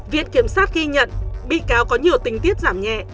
viện kiểm sát ghi nhận bị cáo có nhiều tình tiết giảm nhẹ